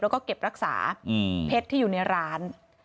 แล้วก็เก็บรักษาเพชรที่อยู่ในร้าน